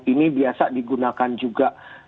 ini biasa digunakan juga